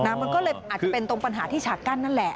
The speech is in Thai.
มันก็เลยอาจจะเป็นตรงปัญหาที่ฉากกั้นนั่นแหละ